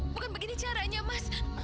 bukan begini caranya mas